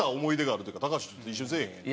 「高橋ちょっと一緒にせえへん？」。